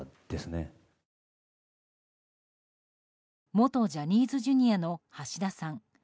元ジャニーズＪｒ．の橋田さん。